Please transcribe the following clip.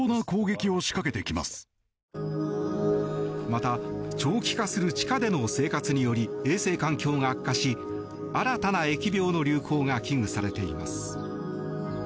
また、長期化する地下での生活により衛生環境が悪化し新たな疫病の流行が危惧されています。